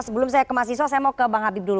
sebelum saya ke mahasiswa saya mau ke bang habib dulu